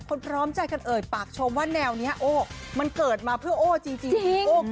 พร้อมใจกันเอ่ยปากชมว่าแนวนี้โอ้มันเกิดมาเพื่อโอ้จริง